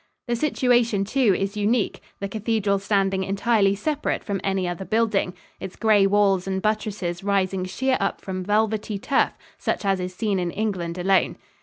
The situation, too, is unique, the cathedral standing entirely separate from any other building, its gray walls and buttresses rising sheer up from velvety turf such as is seen in England alone.